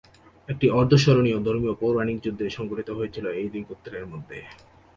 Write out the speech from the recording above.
একটি অর্ধস্মরণীয় ধর্মীয় পৌরাণিক যুদ্ধে সংঘটিত হয়েছিলো এই দুই গোত্রের মধ্যে।